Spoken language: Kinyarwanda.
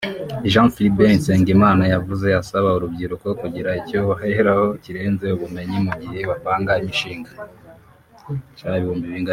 Jean Philbert Nsengimana yavuze asaba urubyiruko kugira icyo baheraho kirenze ubumenyi mu gihe bapanga imishinga